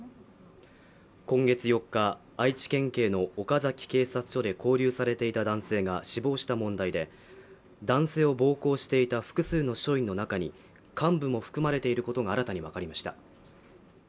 今月４日愛知県警の岡崎警察署で勾留されていた男性が死亡した問題で男性を暴行していた複数の商品の中に幹部も含まれていることが新たに分かりました